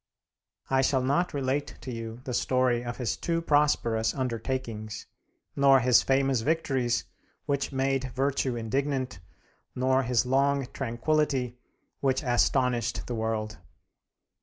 I shall not relate to you the story of his too prosperous undertakings nor his famous victories which made virtue indignant, nor his long tranquillity which astonished the world.